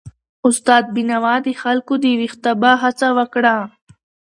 استاد بینوا د خلکو د ویښتابه هڅه وکړه.